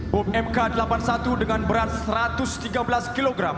bom mk delapan puluh satu dengan berat satu ratus tiga belas kg